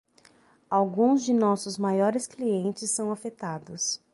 Alguns de nossos maiores clientes são afetados.